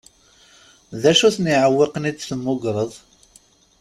D acu-ten iɛewwiqen i d-temmugreḍ?